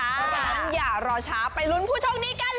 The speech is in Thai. แล้วอย่ารอช้าไปลุ้นผู้ชมดีกันเลย